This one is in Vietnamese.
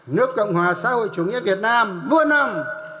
nước cộng hòa xã hội chủ nghĩa việt nam muôn năm